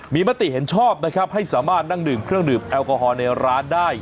มีมติเห็นชอบนะครับให้สามารถนั่งดื่มเครื่องดื่มแอลกอฮอลในร้านได้